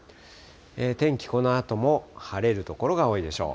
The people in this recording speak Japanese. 天気、このあとも晴れる所が多いでしょう。